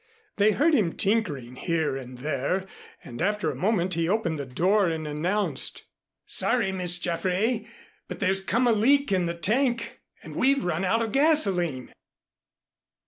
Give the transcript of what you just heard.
They heard him tinkering here and there and after a moment he opened the door and announced. "Sorry, Miss Jaffray, but there's come a leak in the tank, and we've run out of gasoline."